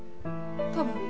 多分？